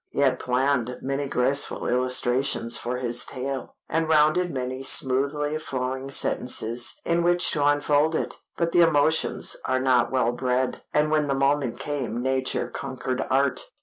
He had planned many graceful illustrations for his tale, and rounded many smoothly flowing sentences in which to unfold it. But the emotions are not well bred, and when the moment came nature conquered art.